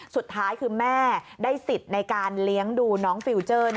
สุดท้ายคือแม่ได้สิทธิ์ในการเลี้ยงดูน้องฟิลเจอร์